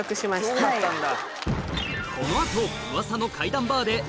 そうだったんだ。